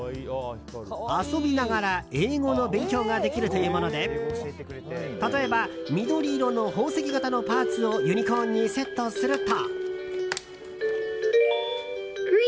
遊びながら英語の勉強ができるというもので例えば、緑色の宝石型のパーツをユニコーンにセットすると。